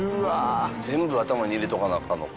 全部頭に入れとかなアカンのか。